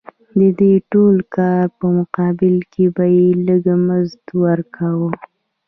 د دې ټول کار په مقابل کې به یې لږ مزد ورکاوه